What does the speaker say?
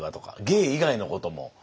芸以外のことも。